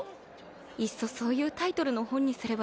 いっそそういうタイトルの本にすればよかったですね。